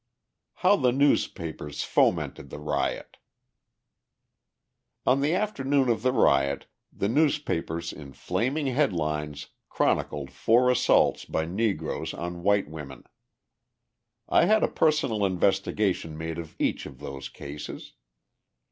How the Newspapers Fomented the Riot On the afternoon of the riot the newspapers in flaming headlines chronicled four assaults by Negroes on white women. I had a personal investigation made of each of those cases.